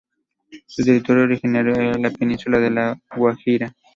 Su territorio originario era la península de La Guajira.